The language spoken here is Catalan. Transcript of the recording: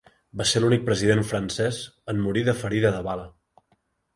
Va ser l'únic president francès en morir de ferida de bala.